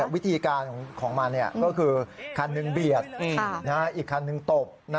วิธีการของมันก็คือคันหนึ่งเบียดอีกคันหนึ่งตบ